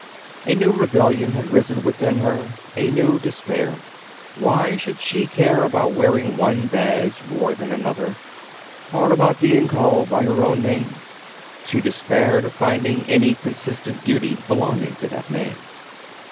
A new rebellion had risen within her, a new despair. Why should she care about wearing one badge more than another, or about being called by her own name? She despaired of finding any consistent duty belonging to that name.